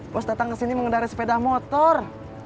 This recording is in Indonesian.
bos datang kesini mengendari sepeda motor